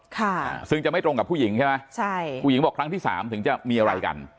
ค่ะซึ่งจะไม่ตรงกับผู้หญิงใช่ไหมใช่ผู้หญิงบอกครั้งที่สามถึงจะมีอะไรกัน